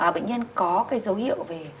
bệnh nhân có cái dấu hiệu về